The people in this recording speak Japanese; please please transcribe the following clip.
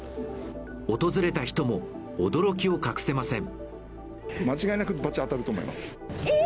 訪れた人も驚きを隠せません。